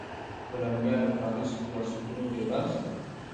کولمبیا له پرانیستو بنسټونو بې برخې ده.